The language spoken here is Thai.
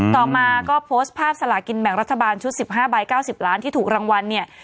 ต่อมาก็โพสต์ภาพสลากินแบ่งรัฐบาลชุด๑๕ใบ๙๐ล้านที่ถูกรางวัลเนี่ย